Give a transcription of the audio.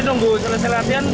dan aku bisa melihat kan